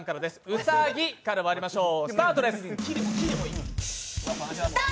うさぎからまいりましょう。